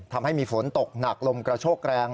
ทำให้มีฝนตกหนักลมกระโชกแรง